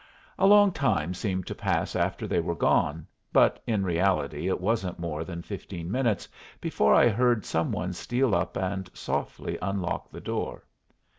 A long time seemed to pass after they were gone, but in reality it wasn't more than fifteen minutes before I heard some one steal up and softly unlock the door.